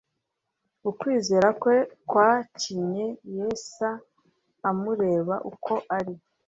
Ukwizera kwe kwakinye Yesa amureba uko ari.